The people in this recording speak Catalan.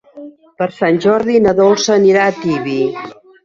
Per Sant Jordi na Dolça anirà a Tibi.